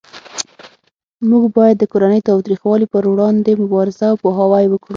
موږ باید د کورنۍ تاوتریخوالی پروړاندې مبارزه او پوهاوی وکړو